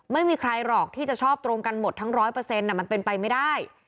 ไม่มีใครหรอกที่จะชอบตรงกันหมดทั้ง๑๐๐มันเป็นไปไม่ได้